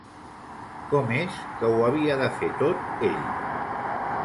Com és que ho havia de fer tot ell?